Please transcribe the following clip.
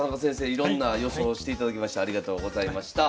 いろんな予想をしていただきましてありがとうございました。